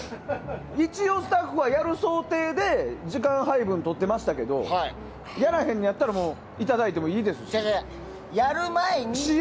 一応、スタッフはやる想定で時間配分とってましたけどやらへんのやったらいただいてもいいですし。